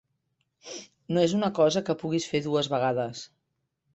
No és una cosa que puguis fer dues vegades.